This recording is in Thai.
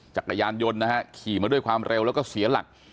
จักรยานยนต์นะฮะขี่มาด้วยความเร็วแล้วก็เสียหลัก